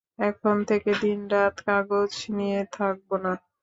এখন থেকে দিনরাত কাগজ নিয়ে থাকব না।